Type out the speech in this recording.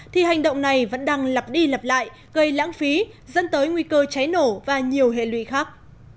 thì hành động này vẫn đang lặp đi lặp lại gây lãng phí dân tới nguy cơ cháy nổ và nhiều hệ lụy khác